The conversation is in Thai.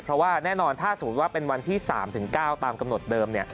เพราะว่าแน่นอนถ้าสมมุติว่าเป็นวันที่๓๙ตามกำหนดเดิม